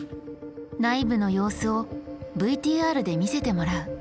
内部の様子をＶＴＲで見せてもらう。